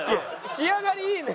仕上がりいいね。